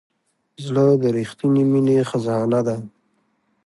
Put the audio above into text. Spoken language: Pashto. زړه د رښتینې مینې خزانه ده.